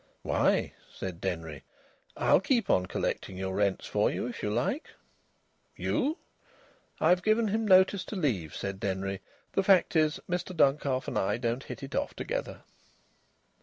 "Why," said Denry, "I'll keep on collecting your rents for you if you like." "You?" "I've given him notice to leave," said Denry. "The fact is, Mr Duncalf and I don't hit it off together."